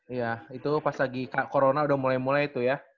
iya itu pas lagi corona udah mulai mulai tuh ya